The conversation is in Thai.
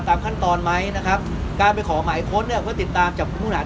ตามขั้นตอนไหมนะครับการไปขอหมายค้นเนี่ยเพื่อติดตามจับกลุ่มผู้หา